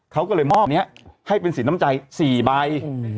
เขาก็เลยมอบนี้ให้เป็นสินน้ำใจ๔ใบ